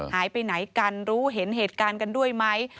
หายไปไหนกันรู้เห็นเหตุการณ์กันด้วยไหม